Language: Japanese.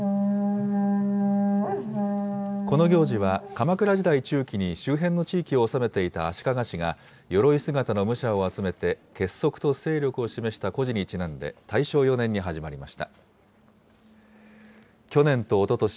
この行事は、鎌倉時代中期に周辺の地域を治めていた足利氏がよろい姿の武者を集めて結束と勢力を示した故事にちなんで大正４年に始まりました。